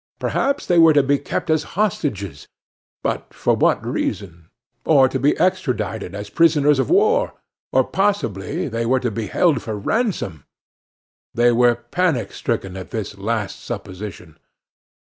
Perhaps they were to be kept as hostages but for what reason? or to be extradited as prisoners of war? or possibly they were to be held for ransom? They were panic stricken at this last supposition.